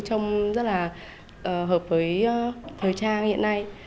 trông rất là hợp với thời trang hiện nay